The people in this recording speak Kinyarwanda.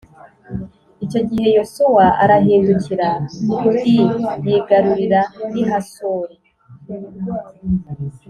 Icyo gihe yosuwa arahindukiral yigarurira n i hasori